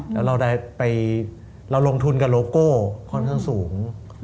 แล้วเราได้ไปเราลงทุนกับโลโก้ค่อนข้างสูง